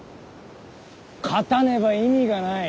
勝たねば意味がない。